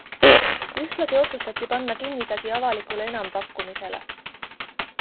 Ühtlasi otsustati panna kinnisasi avalikule enampakkumisele.